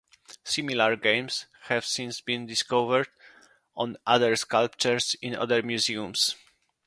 Similar games have since been discovered on other sculptures in other museums.